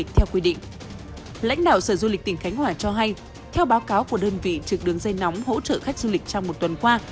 theo báo cáo của đơn vị trực đường dây nóng hỗ trợ khách du lịch trong một tuần qua